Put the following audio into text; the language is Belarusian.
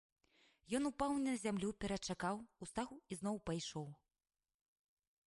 Ён упаў на зямлю, перачакаў, устаў і зноў пайшоў.